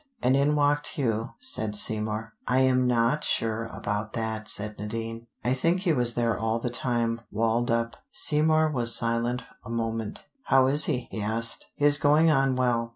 "And in walked Hugh," said Seymour. "I am not sure about that," said Nadine. "I think he was there all the time, walled up." Seymour was silent a moment. "How is he?" he asked. "He is going on well.